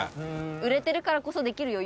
売れてるからこそできる余裕」